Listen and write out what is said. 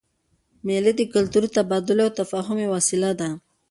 مېلې د کلتوري تبادلې او تفاهم یوه وسیله ده.